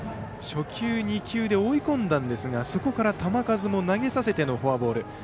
初球２球で追い込んだんですがそこから球数も投げさせてのフォアボール。